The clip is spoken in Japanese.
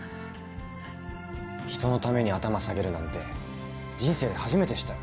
人のために頭下げるなんて人生で初めてしたよ。